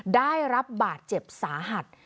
ได้รับบาดเจ็บสาหัส